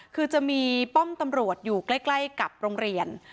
คือจะมีป้อมตำรวจอยู่ใกล้กับโรงเรียน